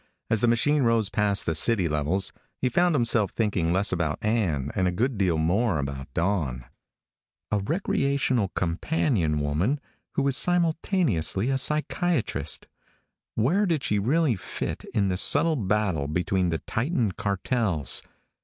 As the machine rose past the city levels, he found himself thinking less about Ann and a good deal more about Dawn a Recreational companion woman who was simultaneously a psychiatrist. Where did she really fit in the subtle battle between the titan cartels?